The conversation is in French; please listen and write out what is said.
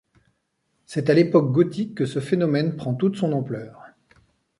C'est à l'époque gothique que ce phénomène prend toute son ampleur.